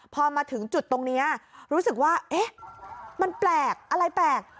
พอมาถึงจุดตรงนี้รู้สึกว่าเอ๊ะมันแปลกอะไรแปลก